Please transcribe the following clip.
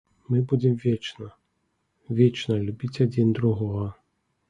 Мы будзем вечна, вечна любіць адзін другога.